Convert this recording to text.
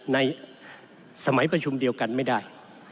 ในสมัยประชุมเดียวกันไม่ได้